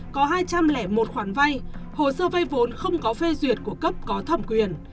có hai trăm linh một khoản vay hồ sơ vay vốn không có phê duyệt của cấp có thẩm quyền